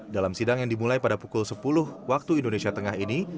dalam sidang yang dimulai pada pukul sepuluh waktu indonesia tengah ini